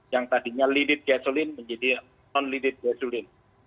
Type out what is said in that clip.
yang tadinya leaded gasoline menjadi non leaded gasoline